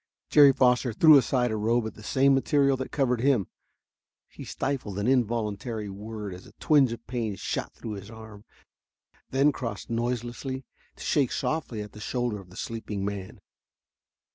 Jerry Foster threw aside a robe of the same material that covered him. He stifled an involuntary word as a twinge of pain shot through his arm, then crossed noiselessly to shake softly at the shoulder of the sleeping man.